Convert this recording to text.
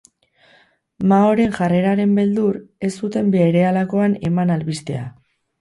Maoren jarreraren beldur, ez zuten berehalakoan eman albistea.